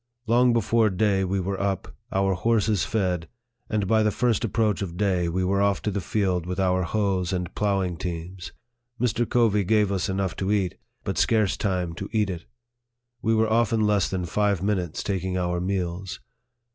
Long before day we were up, our horses fed, and by the first approach of day we were off to the field with our hoes and ploughing teams. Mr. Covey gave us enough to eat, but scarce time to eat it. We were often less than five minutes taking our meals.